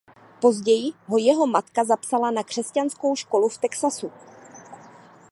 Později ho jeho matka zapsala na křesťanskou školu v Texasu.